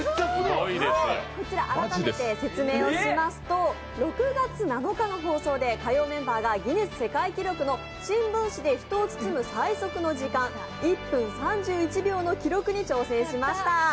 こちら、改めて説明しますと６月７日の放送で火曜メンバーがギネス世界記録の新聞紙で人を包む最速の時間１分３１秒の記録に挑戦しました。